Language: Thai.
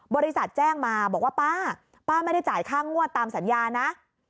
บริษัทแจ้งมาบอกว่าป้าป้าไม่ได้จ่ายค่างวดตามสัญญานะ